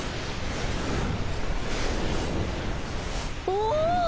お！